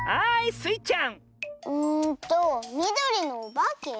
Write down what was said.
スイちゃん